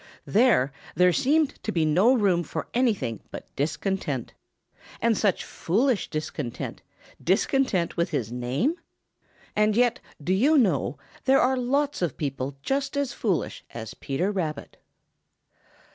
There there seeded to be no room for anything but discontent. And such foolish discontent discontent with his name! And yet, do you know, there are lots of people just as foolish as Peter Rabbit.